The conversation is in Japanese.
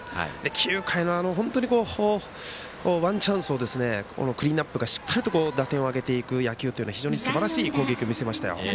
９回の本当にワンチャンスをクリーンアップがしっかりと打点を挙げていく野球というすばらしい攻撃を見せましたよ。